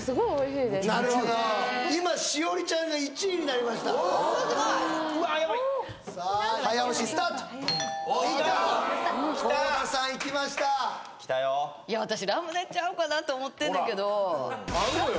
いや私ラムネちゃうかなと思ってんだけどあんのよ